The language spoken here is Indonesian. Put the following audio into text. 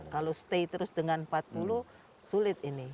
kalau stay terus dengan empat puluh sulit ini